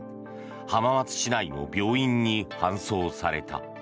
浜松市内の病院に搬送された。